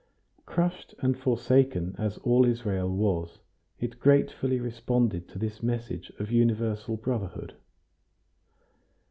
Crushed and forsaken, as all Israel was, it gratefully responded to this message of universal brotherhood.